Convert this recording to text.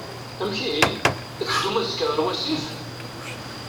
Amek ihi? Ad teddum azekka ɣer wasif?